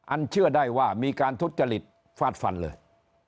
เชื่อได้ว่ามีการทุจริตฟาดฟันเลย